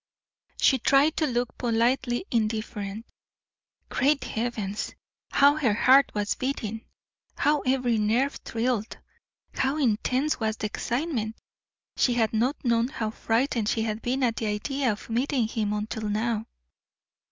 She tried to look politely indifferent. Great heavens! how her heart was beating, how every nerve thrilled, how intense was the excitement! She had not known how frightened she had been at the idea of meeting him until now!